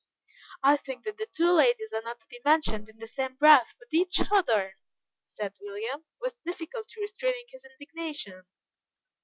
"I think that the two ladies are not to be mentioned in the same breath with each other," said William, with difficulty restraining his indignation.